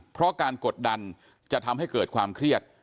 เพราะการกดดันจะทำให้เกิดความเครียด